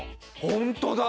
本当だ！